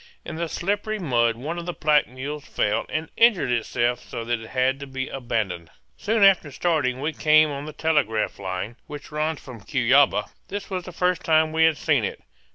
In the slippery mud one of the pack mules fell and injured itself so that it had to be abandoned. Soon after starting we came on the telegraph line, which runs from Cuyaba. This was the first time we had seen it.